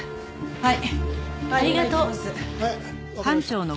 はい。